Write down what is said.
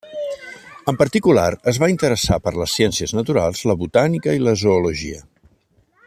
En particular, es va interessar per les ciències naturals, la botànica i la zoologia.